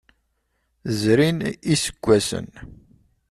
Zrin iseggasen.